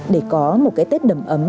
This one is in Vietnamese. để có một cái tết đầm ấm